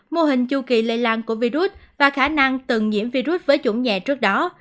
mô hình chu kỳ lây lan của virus và khả năng từng nhiễm virus với chủng nhẹ trước đó